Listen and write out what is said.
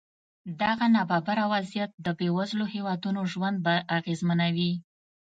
دغه نابرابره وضعیت د بېوزلو هېوادونو ژوند اغېزمنوي.